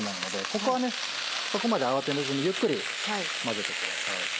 ここはそこまで慌てずにゆっくり混ぜてください。